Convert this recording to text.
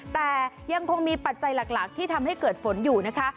แต่ยังคงมีปัจจัยหลักที่ทำให้เกิดฝนอยู่นะคะ